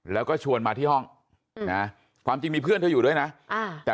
แล้วก็ชวนมาที่ห้องนะความจริงมีเพื่อนเธออยู่ด้วยนะแต่